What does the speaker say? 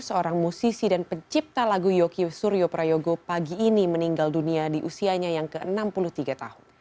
seorang musisi dan pencipta lagu yokyu suryo prayogo pagi ini meninggal dunia di usianya yang ke enam puluh tiga tahun